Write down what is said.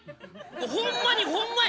ホンマにホンマや！